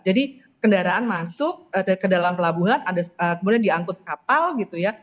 jadi kendaraan masuk ke dalam pelabuhan ada kemudian diangkut kapal gitu ya